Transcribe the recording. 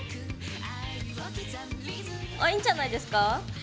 あっいいんじゃないですか。